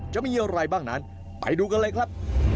จะมีอะไรบ้างนั้นไปดูกันเลยครับ